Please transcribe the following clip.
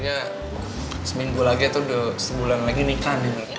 kayaknya seminggu lagi tuh udah sebulan lagi nikah nih